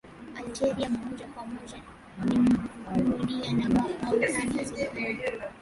Algeria moja kwa moja Numidia na Mauretania zilikuwa